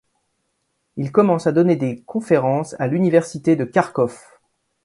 Il commence à donner des conférences à l'Université de Kharkov.